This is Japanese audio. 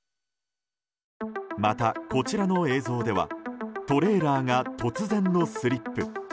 また、こちらの映像ではトレーラーが突然のスリップ。